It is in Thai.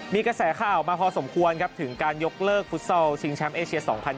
มีกระแสข่าวมาพอสมควรครับถึงการยกเลิกฟุตซอลชิงแชมป์เอเชีย๒๐๒๐